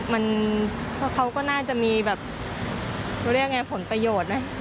มันก็น่าจะมีผลประโยชน์